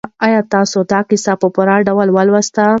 آیا تاسو دا کیسه په پوره ډول ولوستله؟